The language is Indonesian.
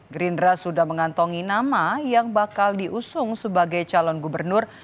gerindra sudah mengantongi nama yang bakal diusung sebagai calon gubernur